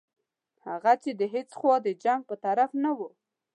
هغه چې د هیڅ خوا د جنګ په طرف نه وو.